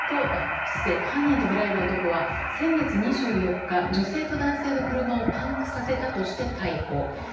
犯人とみられる男は、先月２４日女性と男性の車をパンクさせたとして逮捕。